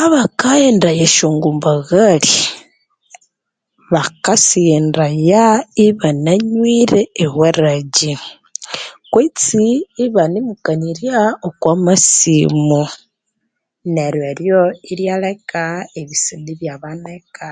Abakaghendaya esyongumbaghali bakasivhendaya ibananywire ewarajji kutse ibanemukanirya okwa masimu neryo eryo ibyaleka ebisida ibyabanika